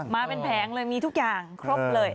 มาเป็นแผงเลยมีทุกอย่างครบเลย